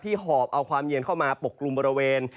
หอบเอาความเย็นเข้ามาปกกลุ่มบริเวณ